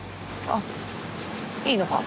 あっいいのか。